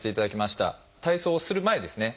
体操をする前ですね